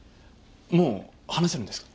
もう話せるんですか？